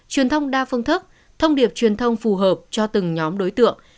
truyền thông đa phương thức thông điệp truyền thông phù hợp cho từng nhóm đối tượng